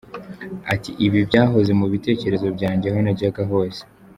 Ati “Ibi byahoze mu bitekerezo byanjye aho najyaga hose.